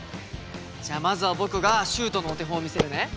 じゃあまずは僕がシュートのお手本を見せるね。